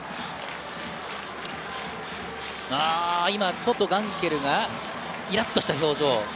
今、ちょっとガンケルがイラっとした表情。